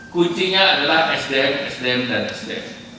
kuncinya adalah sdm sdm dan sdm